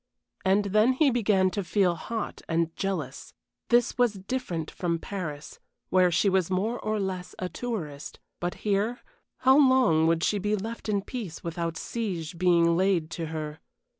And then he began to feel hot and jealous! This was different from Paris, where she was more or less a tourist; but here, how long would she be left in peace without siege being laid to her?